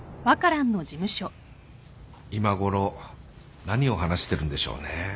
今ごろ何を話してるんでしょうね。